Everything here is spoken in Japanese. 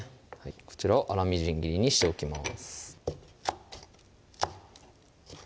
こちらを粗みじん切りにしておきます